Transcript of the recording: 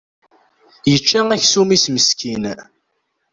Yečča aksum-is meskin.